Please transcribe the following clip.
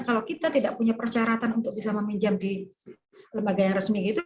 kalau kita tidak punya persyaratan untuk bisa meminjam di lembaga yang resmi